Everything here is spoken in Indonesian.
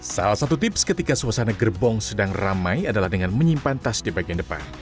salah satu tips ketika suasana gerbong sedang ramai adalah dengan menyimpan tas di bagian depan